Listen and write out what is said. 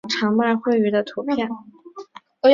长麦穗鱼的图片